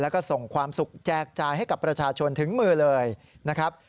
แล้วก็ส่งความสุขแจกจ่ายให้กับประชาชนถึงมือเลยนะครับ